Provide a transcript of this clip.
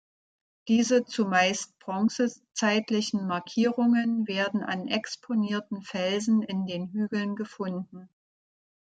Diese zumeist bronzezeitlichen Markierungen werden an exponierten Felsen in den Hügeln gefunden.